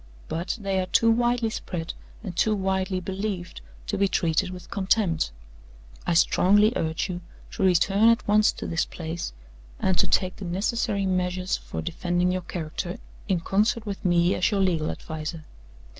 But they are too widely spread and too widely believed to be treated with contempt. I strongly urge you to return at once to this place, and to take the necessary measures for defending your character, in concert with me, as your legal adviser.